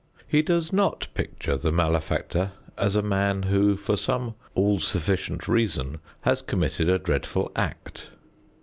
He does not picture the malefactor as a man who, for some all sufficient reason, has committed a dreadful act.